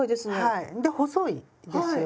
はいで細いですよね。